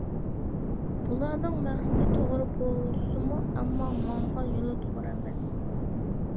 بۇلارنىڭ مەقسىتى توغرا بولسىمۇ، ئەمما ماڭغان يولى توغرا ئەمەس.